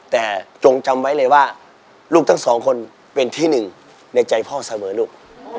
แต่จงจำไว้เลยว่าลูกทั้งสองคนเป็นที่หนึ่งในใจพ่อเสมอลูก